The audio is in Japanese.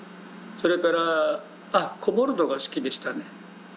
それからあっ籠もるのが好きでしたね。